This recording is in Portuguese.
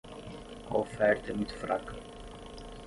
A oferta é muito fraca.